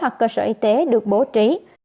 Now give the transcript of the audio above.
trạm y tế được bố trí